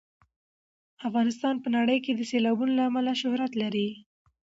افغانستان په نړۍ کې د سیلابونو له امله شهرت لري.